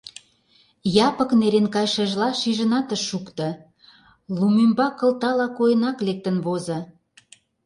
Япык, нерен кайышыжла, шижынат ыш шукто, лум ӱмбак кылтала койынак лектын возо.